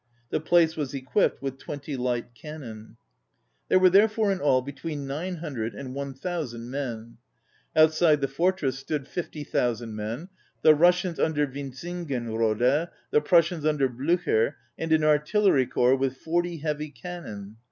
The place was equipped with twenty light cannon. There were therefore in all be tween nine hundred and one thou sand men. Outside the fortress 48 A ON READING stood fifty thousand men, ŌĆö the Russians under Winzingenrode, the Prussians under Bl├╝cher, and an artillery corps with forty heavy cannon.